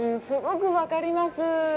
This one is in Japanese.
すごく分かります。